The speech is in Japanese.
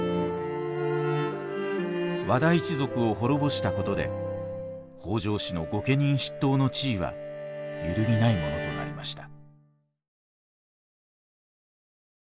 和田一族を滅ぼしたことで北条氏の御家人筆頭の地位は揺るぎないものとなりました。